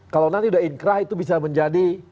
kalau nanti udah inkrah itu bisa menjadi